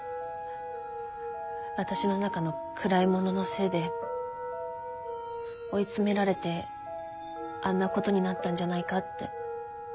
私の中の暗いもののせいで追い詰められてあんなことになったんじゃないかって。